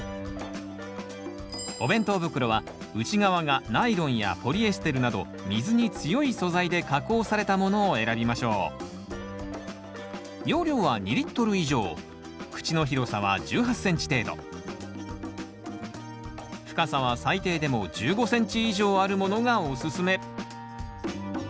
お弁当袋は内側がナイロンやポリエステルなど水に強い素材で加工されたものを選びましょう深さは最低でも１５ｃｍ以上あるものがおすすめ。